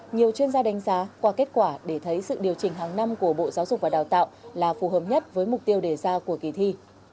nhiều chuyên gia đánh giá qua kết quả để thấy sự điều chỉnh hàng năm của bộ giáo dục và đào tạo là phù hợp nhất với mục tiêu đề ra của kỳ thi